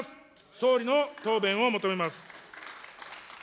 総理の答弁を求めます。